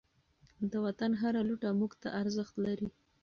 د وطن هر لوټه موږ ته ارزښت لري.